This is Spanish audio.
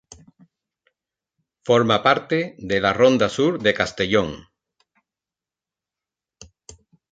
Forma parte de la Ronda Sur de Castellón.